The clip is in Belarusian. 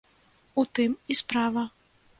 У тым і справа.